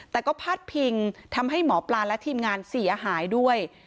แต่ก็พาดพิงทำให้หมอปลาและทีมงานเสียหายด้วย